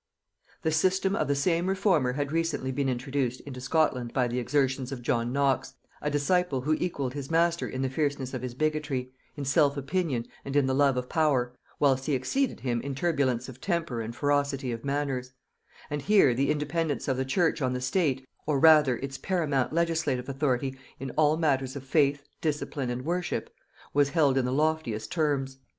The system of the same reformer had recently been introduced into Scotland by the exertions of John Knox, a disciple who equalled his master in the fierceness of his bigotry, in self opinion, and in the love of power, whilst he exceeded him in turbulence of temper and ferocity of manners: and here the independence of the church on the state, or rather its paramount legislative authority in all matters of faith, discipline and worship, was held in the loftiest terms.